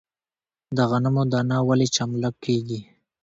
د غنمو دانه ولې چملک کیږي؟